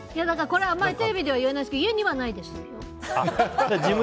これ、あんまりテレビでは言えないですけど家にはないです。